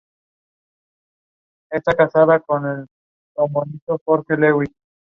Fue educado en la Academia de Diseño Industrial en Eindhoven.